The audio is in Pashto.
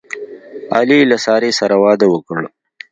علي له سارې سره واده وکړ.